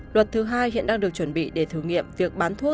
luật thứ hai hiện đang được chuẩn bị để thử nghiệm việc bán thuốc